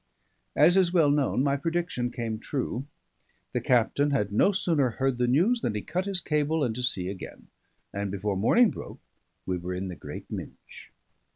As is well known, my prediction came true. The captain had no sooner heard the news than he cut his cable and to sea again; and before morning broke, we were in the Great Minch.